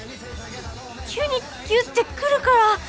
急にギュッてくるから！